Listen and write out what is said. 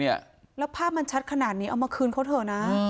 แล้วภาพมันชัดขนาดนี้เอามาคืนเขาเถอะนะ